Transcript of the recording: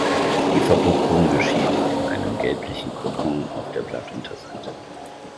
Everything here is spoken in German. Die Verpuppung geschieht in einem gelblichen Kokon auf der Blattunterseite.